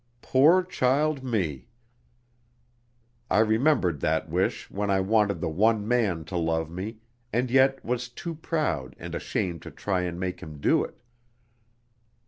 Poor child Me! I remembered that wish, when I wanted the One Man to love me, and yet was too proud and ashamed to try and make him do it.